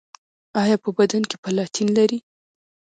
ایا په بدن کې پلاتین لرئ؟